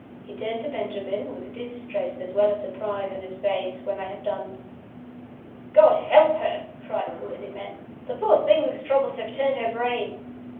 He turned to Benjamin, with distress as well as surprise in his face, when I had done. "God help her!" cried the worthy man. "The poor thing's troubles have turned her brain!"